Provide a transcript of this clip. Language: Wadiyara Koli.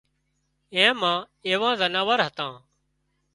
ايئان مان ايوون زناور هتون